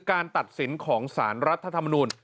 การตัดสินของสารรัฐธรรมนูล